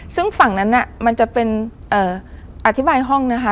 ซึ่งฝั่งนั้นมันจะเป็นอธิบายห้องนะคะ